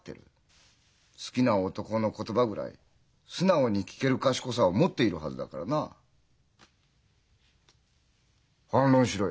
好きな男の言葉ぐらい素直に聞ける賢さは持っているはずだからな。反論しろよ。